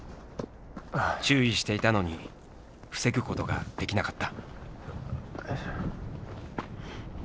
注意していたのに防ぐことができなかった。